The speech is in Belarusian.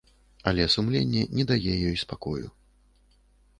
Але сумленне не дае ёй спакою.